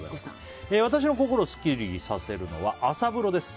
私の心をスッキリさせるのは朝風呂です。